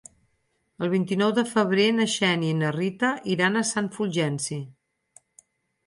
El vint-i-nou de febrer na Xènia i na Rita iran a Sant Fulgenci.